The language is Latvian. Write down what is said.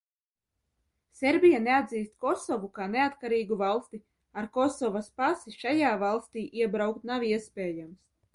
Serbija neatzīst Kosovu kā neatkarīgu valsti, ar Kosovas pasi šajā valstī iebraukt nav iespējams.